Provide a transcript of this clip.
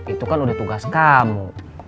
itu kan udah tugas kamu